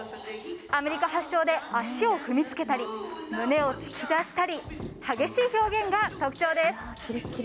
アメリカ発祥で足を踏みつけたり胸を突き出したり激しい表現が特徴です。